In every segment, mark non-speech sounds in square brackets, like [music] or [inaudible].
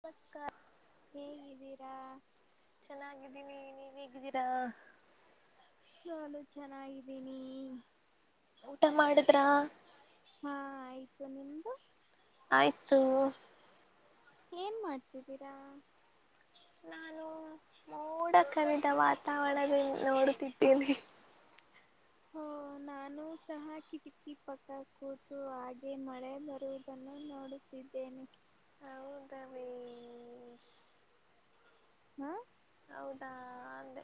ನಮಸ್ಕಾರ. ಹೇಗಿದ್ದೀರಾ? ಹೇಗಿದಿರಾ? ನಾನು ಚೆನ್ನಾಗಿದ್ದೀನಿ. ಊಟ ಮಾಡುದ್ರಾ? ಹಾ ಆಯ್ತು ನಿಮ್ದು? ಆಯ್ತು. ಏನ್ ಮಾಡ್ತಿದ್ದೀರಾ. ನಾನು ಮೋಡ ಕವಿದ ವಾತಾವರಣ ನೋಡುತ್ತಿದ್ದೇನೆ. ಹ ನಾನು ಸಹ ಕಿಟಕಿ ಪಕ್ಕ ಕೂತು ಹಾಗೆ ಮಳೆ ಬರುವುದನ್ನು ನೋಡುತ್ತಿದ್ದೇನೆ. ಹೌದಾ ಹಾ ಹೌದಾ ಅಂದೆ.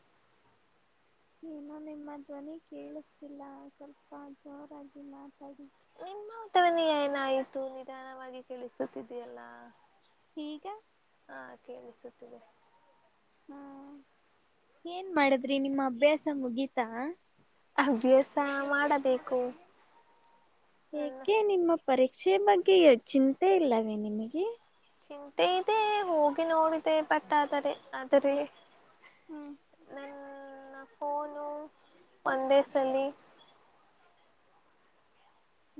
ಏನು ನಿಮ್ಮ ಧ್ವನಿ ಕೇಳತಿಲ್ಲ ಸ್ವಲ್ಪ ಜೋರಾಗಿ ಮಾತಾಡಿ. ನಿಮ್ದು ತಾನೇ ಏನಾಯ್ತು ನಿಧಾನವಾಗಿ ಕೇಳಿಸುತ್ತಿದಯಲ್ಲಾ. ಈಗ ಹಾ ಕೇಳಿಸುತ್ತಿದೆ. ಹಾ ಏನ್ ಮಾಡದ್ರಿ ನಿಮ್ಮ ಅಭ್ಯಾಸ ಮುಗೀತಾ. ಸ ಮಾಡಬೇಕು ನನ್ನ ಏಕೆ ನಿಮ್ಮ ಪರೀಕ್ಷೆ ಬಗ್ಗೆ ಚಿಂತೆ ಇಲ್ಲ. [unintelligible] ನಿಮಗೆ ಚಿಂತೆ ಇದೆ ಹೋಗಿ ನೋಡಿದೆ ಬಟ್ ಆದರೆ ಆದರೆ. ಹ್ಮ್ ನನ್ನ ಫೋನು ಒಂದೇ ಸಲಿ.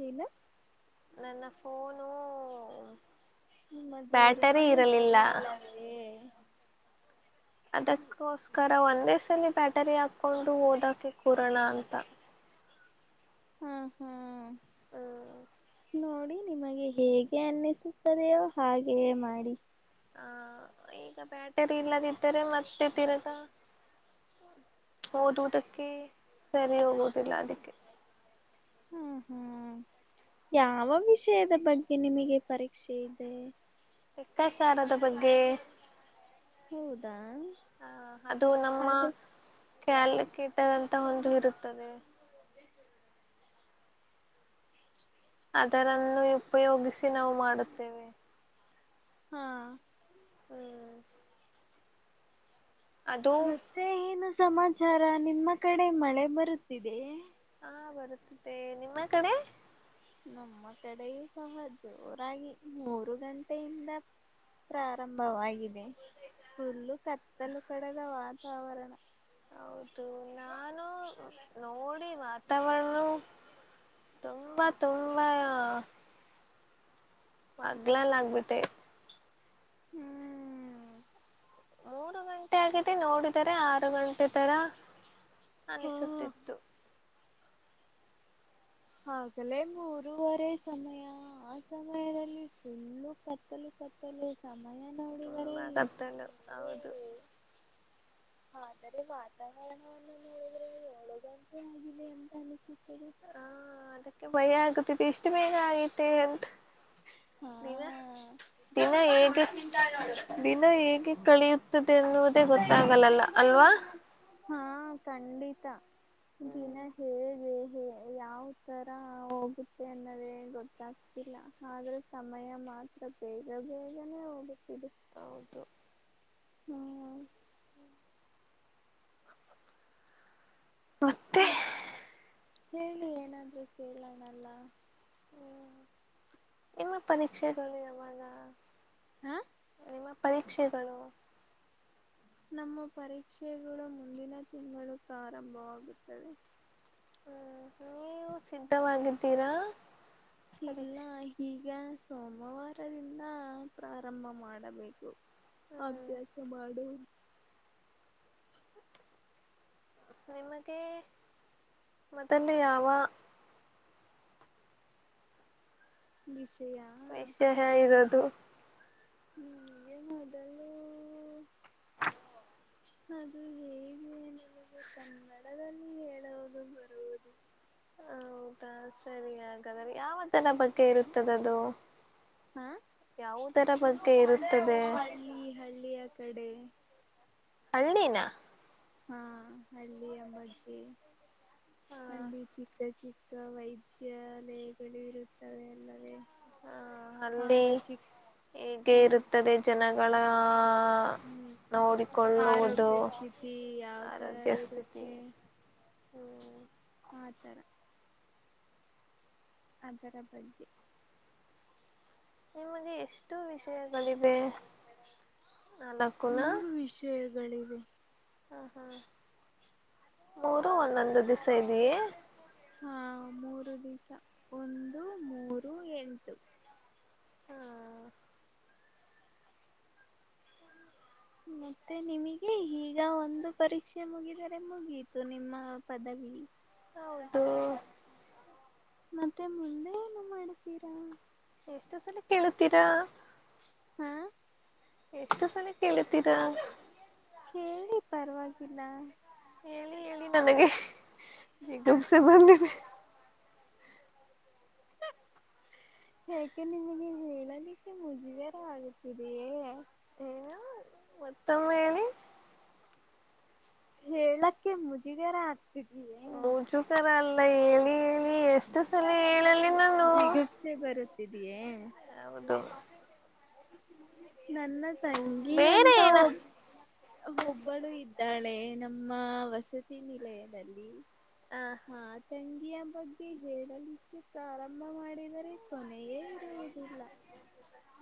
ಏನು ನನ್ನ ಫೋನು. ನಿಮ್ಮ ಬ್ಯಾಟರಿ ದೂರವಾಣಿ ಇರಲಿಲ್ಲ ಸರಿ ಇಲ್ಲವೇ. ಅದಕ್ಕೋಸ್ಕರ ಒಂದೇ ಸಲ ಬ್ಯಾಟರಿ ಹಾಕೊಂಡು ಓದಕೆ ಕೂರೋಣ ಅಂತ. ಹ್ಮ್ ಹ್ಮ್ ಹಾ ನೋಡಿ ನಿಮಗೆ ಹೇಗೆ ಅನ್ನಿಸ್ [unintelligible] ಹಾಗೆ ಮಾಡಿ [unintelligible] ಆ ಈಗ ಬ್ಯಾಟರಿ ಇಲ್ಲದಿದ್ದರೆ ಮತ್ತೆ ತಿರ್ಗ ಓದುವುದಕ್ಕೆ ಸರಿ ಹೋಗುವುದಿಲ್ಲ ಅದಕ್ಕೆ. ಹ್ಮ್ ಹ್ಮ್ ಯಾವ ವಿಷಯದ ಬಗ್ಗೆ ನಿಮಗೆ ಪರಿ ರಿಕ್ಷೆ ಇದೆ. ಲೆಕ್ಕಾಚಾರದ ಬಗ್ಗೆ ಹೌದಾ ಅದು ಕ್ಯಾಲ್ಕುಲೇಟರ್ ಅಂತ ಒಂದು ಇರುತ್ತದೆ. ಅದರನ್ನು ಉಪಯೋಗಿಸಿ ನಾವು ಮಾಡುತ್ತೇವೆ. ಹಾ ಹ್ಮ್ ಅದು ಮತ್ತೆ ಏನು ಸಮಾಚಾರ ನಿಮ್ಮ ಕಡೆ ಮಳೆ ಬರುತ್ತಿದೆಯೆ. ಹಾ ನಿಮ್ಮ ಕಡೆ ನಮ್ಮ ಕಡೆಯೂ ಸಹ ಜೋರಾಗಿ [unintelligible] ಆರು ಗಂಟೆಯಿಂದ ಪ್ರಾರಂಭವಾಗಿದೆ ಫುಲ್ಲು ಕತ್ತಲು ಕಡೆದ ವಾತಾವರಣ. ಹೌದು ನಾನು ನೋಡಿ ವಾತಾವರಣ ತುಂಬಾ ತುಂಬಾ. [unintelligible] ಆಗ್ಬಿಟ್ಟೆ ಹ್ಮ್ ಮೂರು ಗಂಟೆ ಆಗಿದೆ ನೋಡಿದರೆ ಆರು ಗಂಟೆ ತರ. ಹಾ ಅನಿಸುತ್ತಿತ್ತು ಆಗಲೇ ಮೂರುವರೆ ಸಮಯ ಆ ಸಮಯದಲ್ಲಿ ಫುಲ್ ಕತ್ತಲು ಕತ್ತಲು. ಸಮಯ ನೋಡಿದರೆ ಇನ್ನೂ [unintelligible] ಹೌದು ಮೂರುವರೆ ಆದರೆ ವಾತಾವರಣವನ್ನು ನೋಡಿದರೆ ಏಳಗಂಪು [unintelligible] ಹಾಗಂತ ಅನಿಸಿ. ಹಾ ಅದಕ್ಕೆ ಭಯ ಆಗುತ್ ಎಷ್ಟು ಬೇಗ ಆಗೈತೆ ಅಂತ್ ಹಾ ದಿನ ದಿನ ಹೇಗೆ ದಿನ ಹೇಗೆ ಕಳಿಯುತ್ತದೆ ಎನ್ನುವುದೇ ಗೊತ್ತಾಗಲ್ಲಲ್ಲ ಅಲ್ವಾ. ಹಾ ಖಂಡಿತಾ. [unintelligible] ಹೇ ಯಾವ್ ತರ ಹೋಗುತ್ತೆ ಅನ್ನೋದೇ ಗೊತ್ತಾಗ್ತಿಲ್ಲ ಆದ್ರೆ ಸಮಯ ಮಾತ್ರ ಬೇಗ ಬೇಗನೆೇ ಹೋಗುತ್ತಿದೆ. ಹೌದು ಹ್ಮ್ ಮತ್ತೆ ಮತ್ ಹೇಳಿ ಏನಾದ್ರು ಕೇಳಣಲ್ಲ. ನಿಮ್ಮ ಪರೀಕ್ಷೆಗಳು ಯಾವಾಗ. ಹಾ ನಿಮ್ಮ ಪರೀಕ್ಷೆಗಳು ನಮ್ಮ ಪರೀಕ್ಷೆಗಳು ಮುಂದಿನ ತಿಂಗಳು ಪ್ರಾರಂಭವಾಗುತ್ತವೆ. ಹ್ಮ್ ನೀವು ಸಿದ್ಧವಾಗಿದ್ದೀರಾ. ಇಲ್ಲ ಪರೀಕ್ಷೆ ಈಗ ಸೋಮವಾರದಿಂದ ಪ್ರಾರಂಭ ಮಾಡಬೇಕು. ಹ್ಮ್ ಅಭ್ಯಾಸ ಮಾಡು ನಿಮಗೆ ಮೊದಲು ಯಾವ ನಿಶಯ ವಷ್ಯ ಹಾ ಇರೋದು. ನಂಗೆ ಮೊದಲು. [inaudible] ಅದು ಹೇಗೆ ನನಗೆ ಕನ್ನಡದಲ್ಲಿ ಹೇಳದು ಬರುವುದು. ಹೌದಾ ಸರಿ ಹಾಗಾದ್ರೆ ಯಾವ ತರ ಬಗ್ಗೆ ಇರುತ್ತದ ಅದು. ಹಾ ಇದರ ಬಗ್ಗೆ ಇರುತ್ ಹಳ್ಳಿ ಹಳ್ಳಿಯ ಕಡೆ. ಹಳ್ಳಿನ ಹಾ ಅಲ್ಲಿ ಅಮ್ಮಗೆ ಹ ಅಲ್ಲಿ ಚಿಕ್ಕ ಚಿಕ್ ಅಥವಾ ವೈದ್ಯಾಲಯಗಳು ಇರುತ್ತವೆ ಅಲ್ಲದೆೇ. ಹ್ಮ ಅಲ್ಲಿ ಹೀಗೆ ಇರುತ್ತದೆ ಜನಗ್ [unintelligible] ಹ್ಮ್ ಆರೋಗ್ಯ ಸ್ಥಿತಿ ಯಾವ ತರ ಆರೋಗ್ಯ ಸ್ಥಿತಿ ಇರುತ್ತೆ. ಹ್ಮ್ ಆ ತರ ಅದರ ಬಗ್ಗೆ ನಿಮಗೆ ಎಷ್ಟು ವಿಷಯಗಳಿವೆ. ನಾಲ್ಕುನ ಮೂರು ವಿಷಯಗಳಿವೆ ಹ್ಮ ಹ್ಮ ಮೂರು ಒಂದೊಂದು ದಿವಸ ಇದೀ ಹಾ ಮೂರು ದಿವಸ ಒಂದು ಮೂರು ಎಂಟು. ಮತ್ತೆ ನಿಮಗೆ ಈಗ ಒಂದು ಪರೀಕ್ಷೆ ಮುಗಿದರೆ ಮುಗಿಯತು ನಿಮ್ಮ ಪದವಿ. ಹೌದು ಮತ್ತೆ ಮುಂದೇನು ಮಾಡುತ್ತೀರಾ. ಎಷ್ಟು ಸಲ ಕೇಳತೀರಾ. ಹಾ ಎಷ್ಟು ಸಲಿ ಕೇಳುತ್ತೀರಾ. ಹೇಳಿ ಪರವಾಗಿಲ್ಲ. ಹೇಳಿ ಹೇಳಿ ನನಗೆ ಜಿಗುಪ್ಸೆ ಬಂದಿದೆ. ಯಾಕೆ ನಿಮಗೆ ಹೇಳಲಿಕ್ಕೆ ಮುಜುವಾರ ಆಗತಿದೇಯೇ. ಹಾ ಮತ್ತೊಮ್ಮೆ ಹೇಳಿ. ಹೇಳಕ್ಕೆ ಮುಜಗಾರ ಆಗ್ತಿದ್ದೀಯೇ. ಮುಜುಗರ ಅಲ್ಲ ಹೇಳಿ ಹೇಳಿ ಎಷ್ಟು ಸಲ ಹೇಳಲ್ ಜಿಗುಪ್ಸೆ ಬರುತ್ತಿದ್ ಯೇ ಹೌದು ನನ್ನ ತಂಗಿ ಬೇರೆ ಅಂತ ಏನ ಒಬ್ ಒಬ್ಬಳು ಇದ್ದಾಳೆ ನಮ್ಮ ವಸತಿ ನಿಲಯದಲ್ಲಿ ಹ ಹಾ ತಂಗಿಯ ಬಗ್ಗೆ ಹೇಳಲಿಕ್ಕೆ ಪ್ರಾರಂಭ ಮಾಡಿದರೆ ಕೊನೆಯೇ ಇರುವುದಿಲ್ಲ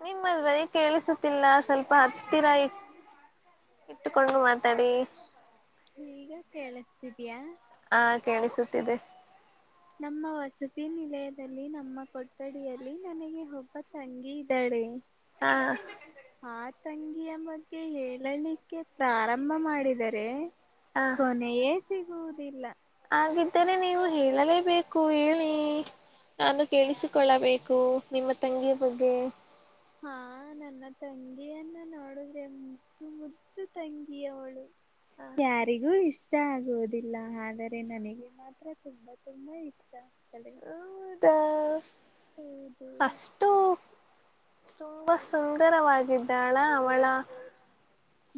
ನಿಮ್ಮದ್ ದ್ವನಿ ಕೇಳಿಸತಿಲ್ಲ ಸ್ವಲ್ಪ ಹತ್ತಿರ ಇ ಇಟ್ಟಕೊಂಡು ಮಾತಾಡಿ ಈಗ ಕೇಳಸ್ತಿದಯಾ ಹಾ ಕೇಳಿಸುತ್ತಿದೆ ನಮ್ಮ ವಸತಿ ನಿಲಯದಲ್ಲಿ ನಮ್ಮ ಕೊಠಡಿಯಲ್ಲಿ ನನಗೆ ಒಬ್ಬ ತಂಗಿ ಇದ್ದಾಳೆ ಹಾ ಆ ತಂಗಿಯ ಮಗ್ಗೆ ಹೇಳಲಿಕ್ಕೆ ಪ್ರಾರಂಭ ಮಾಡಿದರೆ ಹ ಕೊನೆಯೇ ಸಿಗುವುದಿಲ್ಲ ಮತ್ತನೆ ನೀವು ಹೇಳಲೇಬೇಕು ಹೇಳಿ ನಾನು ಕೇಳಿಸಿಕೊಳ್ಳಬೇಕು ನಿಮ್ಮ ತಂಗಿಯ ಬಗ್ಗೆ ಹಾ ನನ್ನ ತಂಗಿಯನ್ನ ನೋಡುದ್ರೆ ಮುದ್ದು ಮುದ್ದು ತಂಗಿಯವಳು ಯಾರಿಗೂ ಇಸ್ ಇಷ್ಟ ಆಗುವುದಿಲ್ಲ ಆದರೆ ನನಗೆ ಮಾತ್ರ ತುಂಬಾ ತುಂಬಾ ಇಷ್ಟ ಅದ ಹೌದಾ ಹೌದು ತುಂಬಾ ಸುಂದರವಾಗಿದ್ದಾಳ ಅವಳ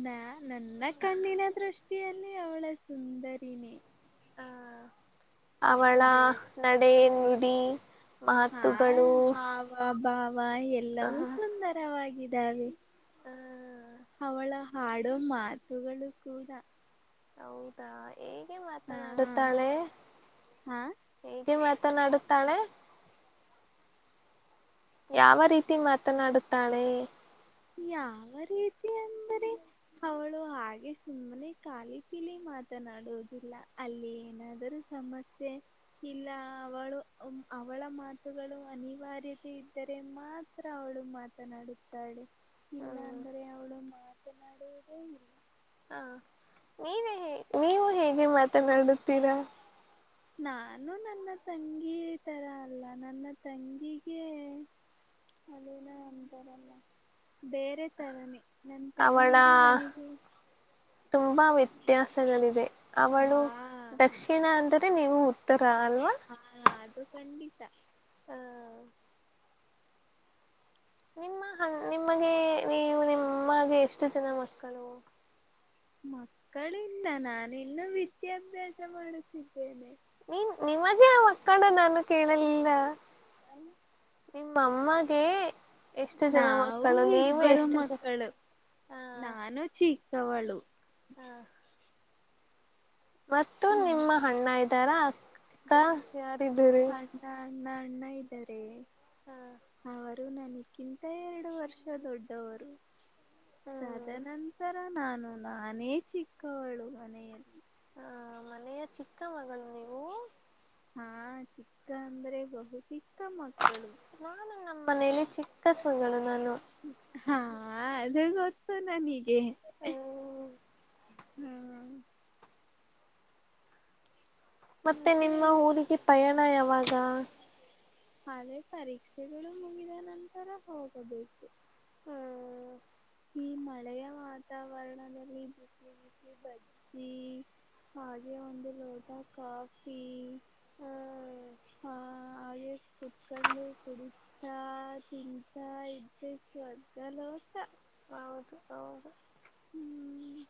ನಾ ನನ್ನ ಕಣ್ಣಿನ ದೃಷ್ಟಿಯಲ್ಲಿ ಅವಳ ಸುಂದರಿನಿ ಅವಳ ಬೇರೆ ನಡೆ ನುಡಿ ಹಾ ಮಾತುಗಳು ಹಾವ ಬಾವ ಎಲ್ಲವೂ ಹ ಸುಂದರವಾಗಿ ಇದವೆ ಅವಳ ಹಾಡೋ ಮಾತುಗಳು ಕೂಡ ಹೌದಾ ಹೇಗೆ ಹಾ ಮಾತನಾಡುತ್ತಾಳೆ ಹಾ ಹ ಮಾತನಾಡುತ್ತಾಳೆ ಯಾವ ರೀತಿ ಮಾತನಾಡುತ್ತಾಳೆ ಯಾವ ರೀತಿ ಅಂದರೆ ಅವಳು ಹಾಗೆ ಸುಮ್ಮನೆ ಕಾಲಿ ಕಿಲಿ ಮಾತನಾಡುವುದಿಲ್ಲ ಅಲ್ಲಿ ಏನಾದರೂ ಸಮಸ್ಯೆ ಇಲ್ಲ ಅವಳು ಅವಳ ಮಾತುಗಳು ಅನಿವಾರ್ಯತೆ ಇದ್ದರೆ ಮಾತ್ರ ಅವಳು ಮಾತನಾಡುತ್ತಾಳೆ ಇಲ್ಲ ಹ್ಮ್ ಅಂದ್ರೆ ಅವಳು ಮಾತನಾ ಹ ಹಾ ನೀವೇ ಹ ನೀವು ಹೇಗೆ ಮಾತನಾಡುತ್ತೀರಾ ನಾನು ನನ್ನ ತಂಗಿ ತರ ಅಲ್ಲ ನನ್ನ ತಂಗಿಗೆ ಅದೇನ ಅಂತಾರಲ್ಲ ಬೇರೆ ತರನೇ ನನ್ ಅವಳ ತಂಗಿಗೂ ನನಿಗೂ ತ್ಯಾಸಗಳಿವೆ ಅವಳು ದಕ್ಷಿಣ ಅಂದ್ರೆ ತ್ತೆ ನೀವು ಅಲ್ವಾ ಹಾ ಅದು. ಖಂಡಿತ. ಹ ನಿಮ್ಮ ಹಣ ನಿಮಗೆ ನೀವು ನಿಮ್ಮಗೆ ಎಷ್ಟು ಜನ ಮಕ್ಕಳು ಮಕ್ಕಳಿಲ್ಲ ನಾನಿನ್ನು ವಿ ವಿದ್ಯಾಭ್ಯಾಸ ಮಾಡುತ್ತಿದ್ದೇನೆ. ನೀನ್ ನಿಮಗೆ ಮಕ್ಕಳು ನಾನು ಕೇಳಲಿಲ್ಲ. ನು [inaudible] ನಿಮ್ಮಮ್ಮಗೆ ನಾವು ಇಬ್ಬರು ಜನ ಮಕ್ಕಳು ಹಾ ನಾನು ಚಿಕ್ಕವಳು. ಹಾ ಫಸ್ಟು ನನ್ ನಿಮ್ಮ ಅಣ್ಣ ತರ ಅಕ್ಕ ಯಾರ್ ಅ [unintelligible] ಅಣ್ಣ ಅಣ್ಣ ಇದ್ದಾರೆ. ಹಾ ಡು ನನಕ್ಕಿಂತ ಎರಡು ವರ್ಷ ದೊಡ್ಡವರು. ಹ್ಮ್ ತದನಂತರ ನಾನು. ನಾನೇ ಚಿಕ್ಕವಳು ಮನೆಯಲ್ಲಿ. ಹ ಮನೆಯ ಚಿಕ್ಕ ಮಗಳು ನೀವು. ಹಾ ಚಿಕ್ಕ ಅಂದ್ರೆ ಬಹು ಚಿಕ್ಕ ಮಕ್ಕಳು. ನಾನು ನಮ್ಮ [unintelligible] ಹಾ ಅದು ಗೊತ್ತು ನನಗೆ. ಹ್ಮ್ ಹಾ ಮತ್ತೆ ನಿಮ್ಮ ಊರಿಗೆ ಪಯಾಣ. ಬ್ಬ ಯಾವಾಗಾ. ಅದೇ ಪರೀಕ್ಷೆಗಳು ಮುಗಿದ ನಂತರ ಹೋಗಬೇಕು. ಹ್ಮ್ ಈ ಮಳೆಯ ವಾತಾವರಣದಲ್ಲಿ ಬಿಸಿ ಬಿಸಿ ಬಜ್ಜಿ ಹಾಗೆ ಒಂದು ಲೋಟ ಕಾಫಿ ಹ್ಮ್ ಆ ಹಾಗೆ ಕುತ್ಕಂಡು ಕುಡಿತಾ ತಿಂತಾ ಇದ್ದೆ ಸ್ವರ್ಗ ಲೋಕ. ಹೌದು ಹೌದು. ಹ್ಮ್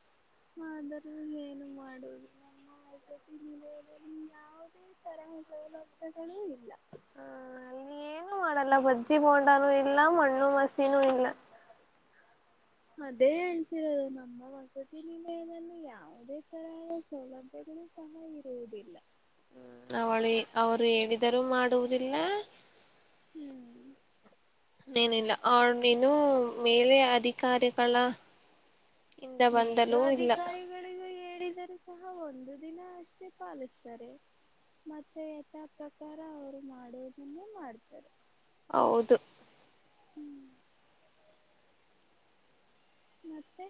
ಆದರೂ ಏನು ಮಾಡುದು ನಮ್ಮ ವಸತಿ ನಿಲಯದಲ್ಲಿ ಯಾವುದೇ ತರ ಸೌಲಭ್ಯಗಳೂ ಇಲ್ಲ. ತಲ್ಲ ಬಜ್ಜಿ ಬೋಂಡಾನು ಇಲ್ಲ ಮಣ್ಣು ಮಸಿನೂ ಇಲ್ಲ. ಅದೇ ಹೇಳ್ತಿರೋದು ನಮ್ಮ ವಸತಿನಿಲಯದಲ್ಲಿ ಯಾವುದೇ ತರಹದ ಸೌಲಭ್ಯಗಳು ಸಹ ಇರುವುದಿಲ್ಲ. ಹ್ಮ ನವಳಿ ಅವ್ರು ಹೇಳಿದರೂ ಮಾಡುವುದಿಲ್ಲ. ಹ್ಮ್ ಇನ್ನೆನಿಲ್ಲ ಅವ್ಳ್ ನೀನು ಮೇಲೆ ಅಧಿಕಾರಿಗಳ ಇಂದ ಮೇಲು ಬಂದಲೂ ಇಲ್ಲ ಅಧಿಕಾರಿಗಳಿಗೂ ಹೇಳಿದರೂ ಸಾ ಆ ಒಂದು ದಿನ ಅಷ್ಟೇ ಪಾಲಿಸ್ತಾರೆ ಮತ್ತೆ ಯಥಾ ಪ್ರಕಾರ ಅವರು ಮಾಡುವುದನ್ನೇ ಮಾಡ್ತಾರೆ. ಹೌದು ಹ್ಮ್ ಮತ್ತೆ